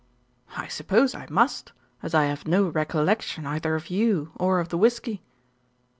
"I suppose I must, as I have no recollection, either of you or of the whisky."